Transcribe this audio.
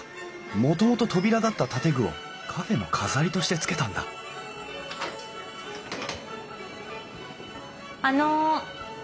もともと扉だった建具をカフェの飾りとして付けたんだあの。